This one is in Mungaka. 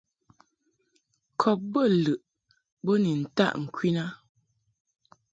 Kɔb bə lɨʼ bo ni ntaʼ ŋkwin a.